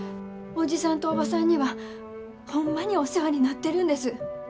おじさんとおばさんにはホンマにお世話になってるんです。